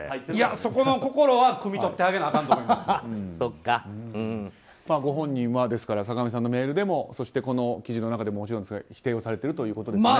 そこの心はくみ取ってあげなあかんとご本人は坂上さんのメールでもそして記事の中でももちろん否定をされてるということですよね。